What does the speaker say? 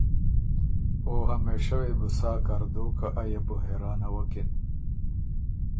او همېشه وې بو سا کر دوک که ایۀ بُو حېرانوَکِن۔